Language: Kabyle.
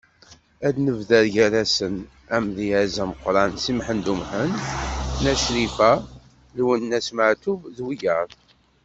Ad d-nebder gar-asen: Amedyaz ameqqran Si Muḥend Umḥend, Nna Crifa, Lwennas Meɛtub, d wiyaḍ.